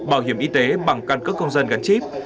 bảo hiểm y tế bằng căn cước công dân gắn chip